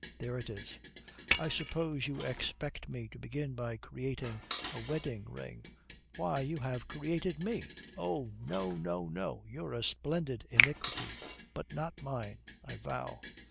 "There it is. I suppose you expect me to begin by creating a wedding ring." "Why, you have created me." "Oh, no, no, no. You're a splendid iniquity, but not mine, I vow."